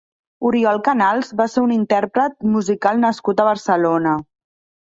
Oriol Canals va ser un intérpret musical nascut a Barcelona.